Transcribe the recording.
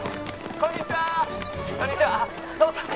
こんにちは。